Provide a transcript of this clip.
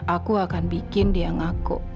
aku akan bikin dia ngaku